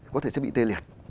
có thể sẽ bị tê liệt